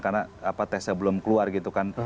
karena tesnya belum keluar gitu kan